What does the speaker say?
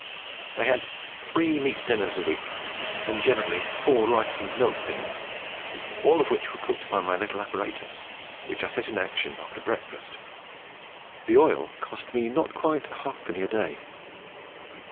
I had three meat dinners a week, and generally four rice and milk dinners, all of which were cooked by my little apparatus, which I set in action after breakfast. The oil cost not quite a halfpenny per day.